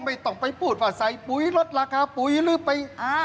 ไม่ต้องไปพูดว่าใส่ปุ๋ยลดราคาปุ๋ยหรือไปอ่า